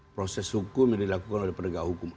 proses hukum yang dilakukan oleh penegak hukum